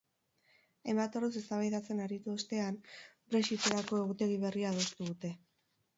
Hainbat orduz eztabaidatzen aritu ostean, brexiterako egutegi berria adostu dute.